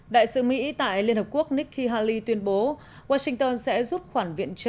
đại sứ mỹ tại liên hợp quốc nikki haley tuyên bố washington sẽ rút khoản viện trợ